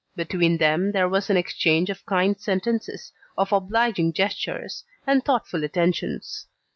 Between them there was an exchange of kind sentences, of obliging gestures, and thoughtful attentions.